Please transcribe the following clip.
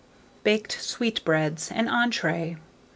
BAKED SWEETBREADS (an Entree).